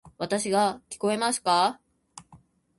わたし（の声）が聞こえますか？